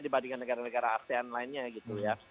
dibandingkan negara negara asean lainnya gitu ya